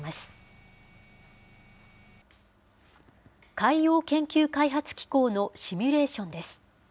海洋研究開発機構のシミュレーションです。